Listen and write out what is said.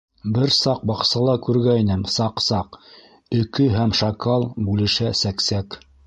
— Бер саҡ баҡсала күргәйнем саҡ-саҡ: Өкө һәм Шакал бүлешә сәксәк.